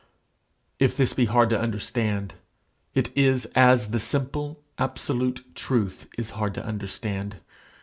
If this be hard to understand, it is as the simple, absolute truth is hard to understand.